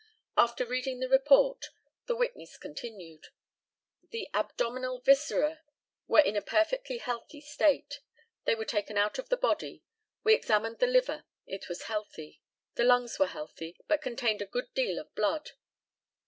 After reading the report, The witness continued: The abdominal viscera were in a perfectly healthy state. They were taken out of the body. We examined the liver. It was healthy. The lungs were healthy, but contained a good deal of blood.